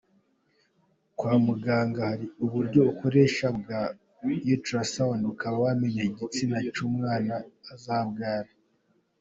Kwa muganga hari uburyo bukoreshwa bwa ultrasound ukaba wamenya igitsina cy’umwana uzabyara.